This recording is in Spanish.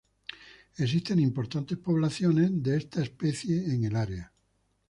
Existen importantes poblaciones de esta especie en el área.